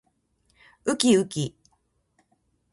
うきうき